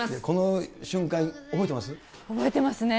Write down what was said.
この瞬間、覚えてます？